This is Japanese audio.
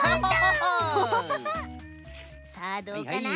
さあどうかな？